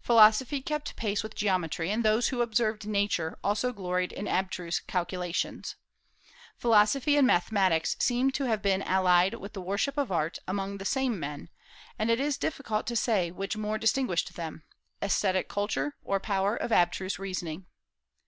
Philosophy kept pace with geometry, and those who observed Nature also gloried in abstruse calculations. Philosophy and mathematics seem to have been allied with the worship of art among the same men, and it is difficult to say which more distinguished them, aesthetic culture or power of abstruse reasoning.